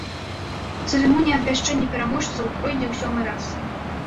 Цырымонія абвяшчэння пераможцаў пройдзе ў сёмы раз.